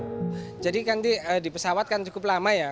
tim kesehatan mengatakan bahwa tim kesehatan akan menjaga keamanan